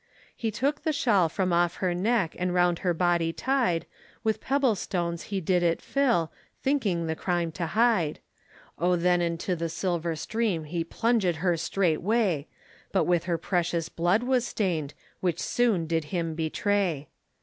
He took the shawl from off her neck, And round her body tied, With pebble stones he did it fill, Thinking the crime to hide. O then into the silver stream He plunged her straightway, But with her precious blood was stained, Which soon did him betray.